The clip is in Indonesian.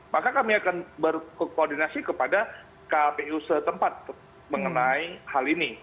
maka kami akan berkoordinasi kepada kpu setempat mengenai hal ini